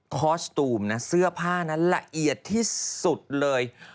คอสตูมนะเสื้อผ้านั้นละเอียดที่สุดเลย